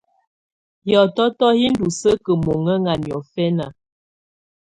Hiɔtɔtɔ hi ndù sǝkǝ muŋɛŋa niɔ̀fɛna.